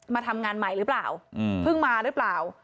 มาทำงานใหม่หรือเปล่าเพิ่งมาหรือเปล่า